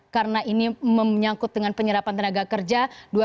karena ini menyangkut dengan penyerapan tenaga kerja